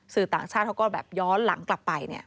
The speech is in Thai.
สื่อต่างชาติเขาก็แบบย้อนหลังกลับไปเนี่ย